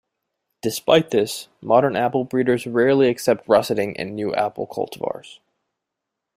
Despite this, modern apple breeders rarely accept russeting in new apple cultivars.